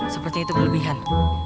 seperti itu kelebihan